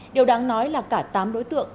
điều đáng nói là cả tám đối tượng